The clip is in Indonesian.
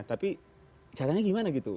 tapi caranya gimana gitu